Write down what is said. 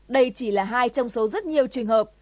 đây chỉ là hai trong số rất nhiều trường hợp